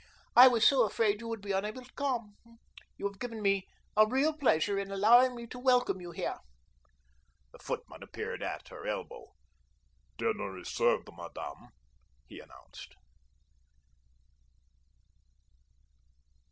I was so afraid you would be unable to come. You have given me a real pleasure in allowing me to welcome you here." The footman appeared at her elbow. "Dinner is served, madame," he announced.